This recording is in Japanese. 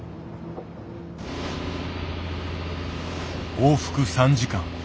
往復３時間。